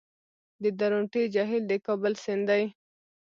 د درونټې جهیل د کابل سیند دی